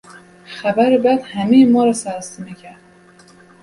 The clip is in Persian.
خبر بد همهی ما را سراسیمه کرد.